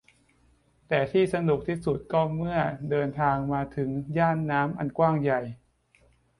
แต่ที่สนุกที่สุดก็เมื่อเดินทางมาถึงย่านน้ำอันกว้างใหญ่